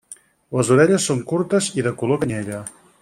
Les orelles són curtes i de color canyella.